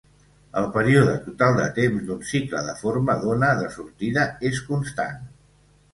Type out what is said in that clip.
El període total de temps d'un cicle de forma d'ona de sortida és constant.